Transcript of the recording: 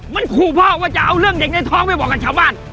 มันขู่พ่อว่าจะเอาเรื่องเด็กในท้องไปบอกกับชาวบ้าน